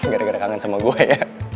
gara gara kangen sama gue ya